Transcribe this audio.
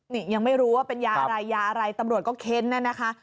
นี่ยังไม่รู้ว่าเป็นยาอะไรยาอะไรตำรวจก็เค้นน่ะนะคะ